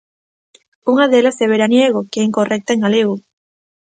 Unha delas é "veraniego", que é incorrecta en galego.